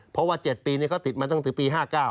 เพราะว่า๗ปีเขาติดมาตั้งแต่ปี๕๙